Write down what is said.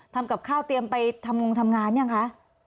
ทำกับข้าวเตรียมไปทำงงทำงานยังคะ